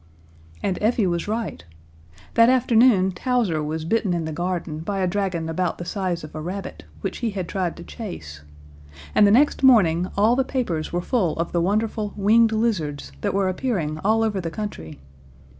And Effie was right. That afternoon Towser was bitten in the garden by a dragon about the size of a rabbit, which he had tried to chase, and the next morning all the papers were full of the wonderful "winged lizards" that were appearing all over the country.